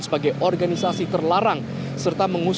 sebagai organisasi terlarang